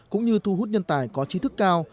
cũng như thu hút nhân tài có trí thức cao